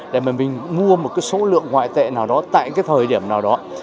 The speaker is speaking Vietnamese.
để mà mình mua một số lượng ngoại tệ nào đó tại thời điểm nào đó